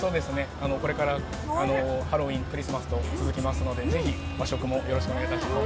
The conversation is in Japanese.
これからハロウィーン、クリスマスと続きますのでぜひ和食もよろしくお願いします。